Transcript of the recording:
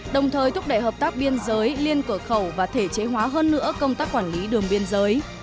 đồng thời thúc đẩy hợp tác biên giới liên cửa khẩu và thể chế hóa hơn nữa công tác quản lý đường biên giới